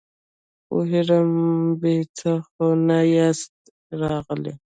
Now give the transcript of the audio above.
پوهېږم، بې څه خو نه ياست راغلي!